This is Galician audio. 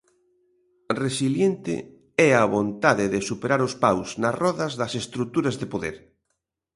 Resiliente é a vontade de superar os paus nas rodas das estruturas de poder.